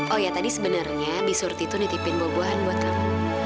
oh iya tadi sebenarnya bisurti tuh nitipin bubuhan buat kamu